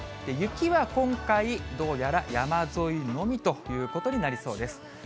雪は今回、どうやら山沿いのみということになりそうです。